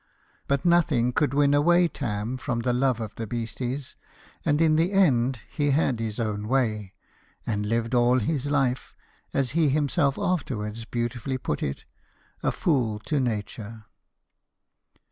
But nothing could win away Tarn from the love of the beasties ; and in the end, he had his own way, and lived all his life, as he himself afterwards beautifully put it, " a fool to nature."